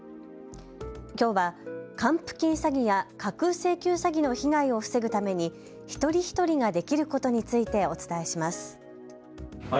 きょうは還付金詐欺や架空請求詐欺の被害を防ぐために一人一人ができることについてお伝えします。